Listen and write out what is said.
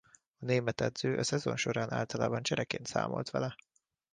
A német edző a szezon során általában csereként számolt vele.